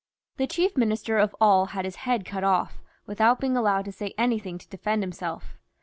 The chief Minister of all had his head cut off, without being allowed to say anything to defend himself.